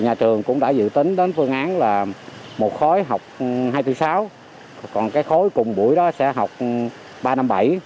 nhà trường cũng đã dự tính đến phương án là một khối học hai mươi sáu còn cái khối cùng buổi đó sẽ học ba năm bảy